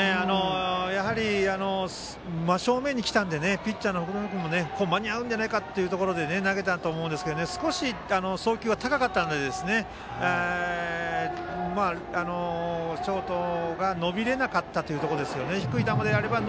やはり、真正面に来たのでピッチャーの福冨君も間に合うんじゃないかと思って投げたと思うんですけど少し送球が高かったのでショートが伸びれなかったということですね。